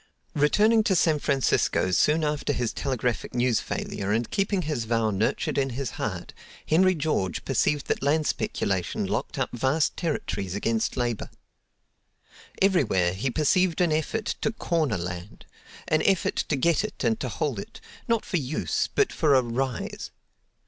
Returning to San Francisco soon after his telegraphic news failure, and keeping his vow nurtured in his heart, Henry George perceived that land speculation locked up vast territories against labor. Everywhere he perceived an effort to "corner" land; an effort to get it and to hold it, not for use, but for a "rise."